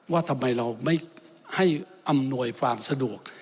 ว่าทำไมเราไม่ให้อำนวยความสะดวก